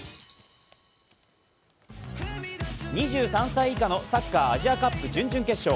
２３歳以下のサッカーアジアカップ準々決勝。